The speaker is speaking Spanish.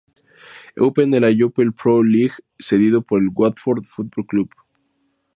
Eupen de la Jupiler Pro League cedido por el Watford Football Club.